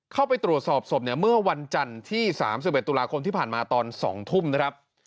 เข้าไปตรวจสอบศพเนี่ยเมื่อวันจันทร์ที่๓๑ตุลาคมที่ผ่านมาตอน๒ทุ่มนะครับ